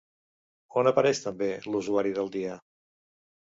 On apareix també l'«usuari del dia»?